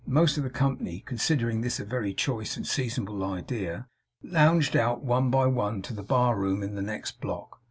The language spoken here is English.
Most of the company, considering this a very choice and seasonable idea, lounged out, one by one, to the bar room in the next block.